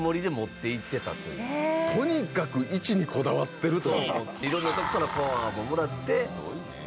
とにかく「１」にこだわってると。